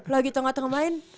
lagi tengah tengah main